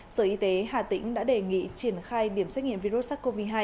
sở y tế hà tĩnh đã đề nghị triển khai điểm xét nghiệm virus sars cov hai